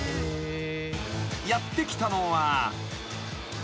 ［やって来たのは］